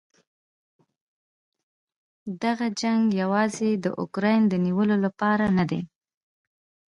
دغه جنګ یواځې د اوکراین د نیولو لپاره نه دی.